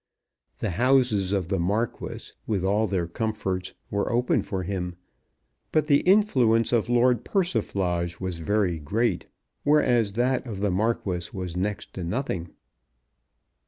The houses of the Marquis, with all their comforts, were open for him; but the influence of Lord Persiflage was very great, whereas that of the Marquis was next to nothing.